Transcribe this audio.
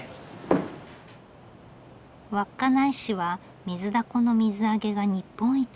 稚内市はミズダコの水揚げが日本一。